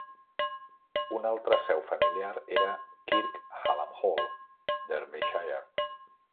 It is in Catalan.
Una altra seu familiar era Kirk Hallam Hall, Derbyshire.